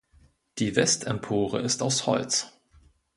Die Westempore ist aus Holz.